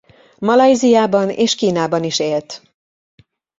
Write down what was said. Malajziában és Kínában is élt.